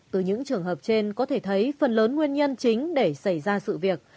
từ những trường hợp trên có thể thấy phần lớn nguyên nhân chính để xảy ra sự việc